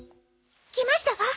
きましたわ！